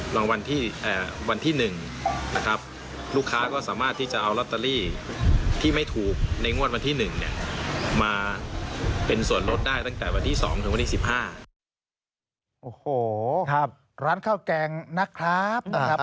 ร้านข้าวแกงนะครับ